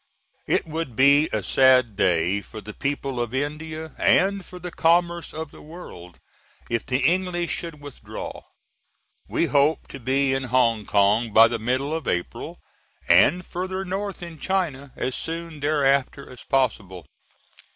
It would be a sad day for the people of India and for the commerce of the world if the English should withdraw. We hope to be in Hong Kong by the middle of April, and farther north in China as soon thereafter as possible.